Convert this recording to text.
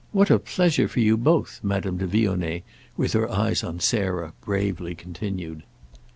What a pleasure for you both!" Madame de Vionnet, with her eyes on Sarah, bravely continued.